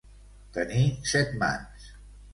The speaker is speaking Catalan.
Tenir set mans.